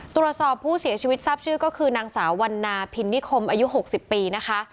ตรวจสอบผู้เสียชีวิตทราบชื่อก็คือนางสาววันนาพินนิคมอายุ๖๐ปีนะคะ